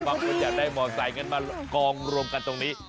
บางคนอยากได้เหมาะสายงั้นมากองรวมกันตรงนี้